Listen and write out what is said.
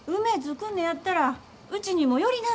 来んねやったらうちにも寄りなさい。